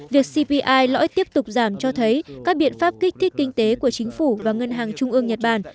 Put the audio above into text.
việc cpi lõi tiếp tục giảm cho thấy các biện pháp kích thích kinh tế của chính phủ và ngân hàng trung ương nhật bản